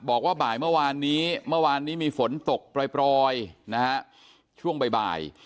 บอกว่าบ่ายเมื่อวานนี้มีฝนตกปล่อยนะฮะช่วงบ่าย